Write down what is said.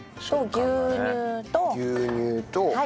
牛乳と。